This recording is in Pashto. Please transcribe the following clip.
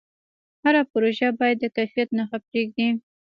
هر پروژه باید د کیفیت نښه پرېږدي.